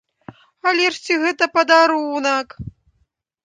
Але ж ці гэта падарунак?!